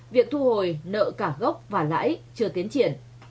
việc thu hồi nợ cả gốc và lãi chưa tiến triển